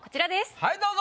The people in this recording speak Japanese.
はいどうぞ。